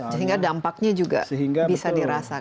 sehingga dampaknya juga bisa dirasakan